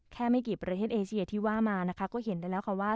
ไม่กี่ประเทศเอเชียที่ว่ามานะคะก็เห็นได้แล้วค่ะว่า